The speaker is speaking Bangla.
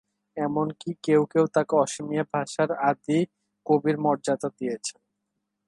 এমন কি কেউ কেউ তাকে অসমীয়া ভাষার আদি কবির মর্যাদা দিয়েছেন।